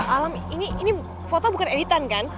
alam ini foto bukan editan kan